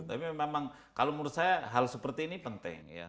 tapi memang kalau menurut saya hal seperti ini penting ya